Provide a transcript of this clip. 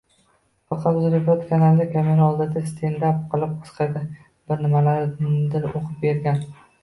faqat Uzreport kanaliga kamera oldida «stendap» qilib qisqagina bir nimalarnidir o‘qib bergan.